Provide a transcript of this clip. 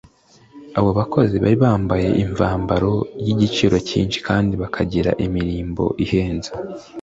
Abo bakozi bari bambaye imvambaro y'igiciro cyinshi kandi bakagira imirimbo ihenze.